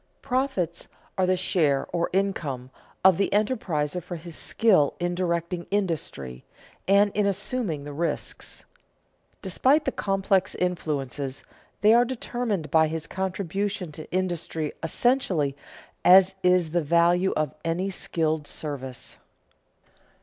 Profits are the share, or income, of the enterpriser for his skill in directing industry and in assuming the risks. Despite the complex influences, they are determined by his contribution to industry essentially as is the value of any skilled service.